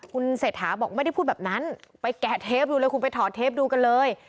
คุณเศรษฐาบอกไม่ได้พูดแบบนั้นไปแกะเทปดูเลยคุณไปถอดเทปดูกันเลย